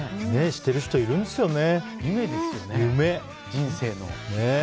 してる人、いるんですよね。